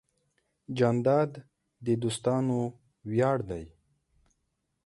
جانداد د دوستانو ویاړ دی.